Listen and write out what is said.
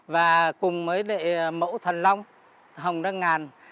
và cùng mẫu thần long hồng đăng ngàn